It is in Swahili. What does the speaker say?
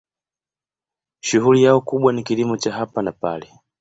Shughuli yao kubwa ni kilimo cha hapa na pale.